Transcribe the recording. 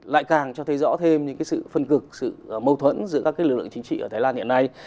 lại càng cho thấy rõ thêm những sự phân cực sự mâu thuẫn giữa các lực lượng chính trị ở thái lan hiện nay